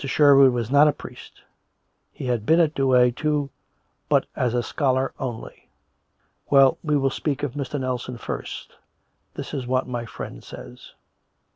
Sherwood was not a priest; he had been at Douay, too, but as a scholar only. .,. Well, we will speak of Mr. Nelson first. This is what my friend says."